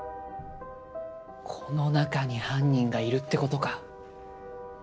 この中に犯人がいるって事か。